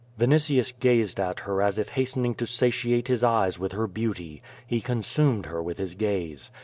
Yinitius gazed at her as if hastening to satiate his eyes >vith her beauty; he consumed her with his gaze.